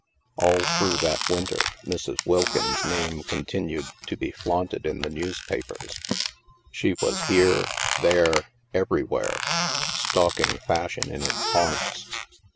All through that winter, Mrs. Wilkins' name continued to be flaunted in the newspapers. She was here, there, everywhere, stalking Fashion in its haunts.